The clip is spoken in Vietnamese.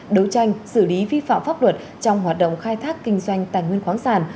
đấu tranh xử lý vi phạm pháp luật trong hoạt động khai thác kinh doanh tài nguyên khoáng sản